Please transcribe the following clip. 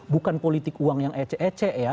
bukan politik uang yang ecek ecek ya